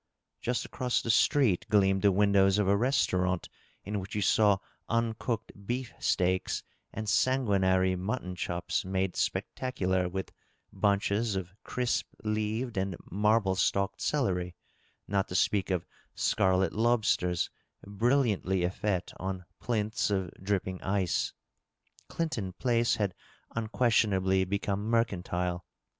Just across the street gleamed the windows of a restaurant in which you saw uncooked beef steaks and sanguinary mutton chops made spectacular with bunches of crisp leaved and marble stalked celery, not to speak of scarlet lobsters brilliantly effete on plinths of dripping ice. Clinton Place had unauestionably become mercantile.